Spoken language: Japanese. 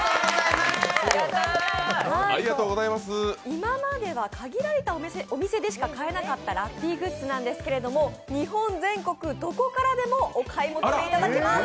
今までは限られたお店でしか買えなかったラッピーグッズですが日本全国、どこからでもお買い求めいただけます。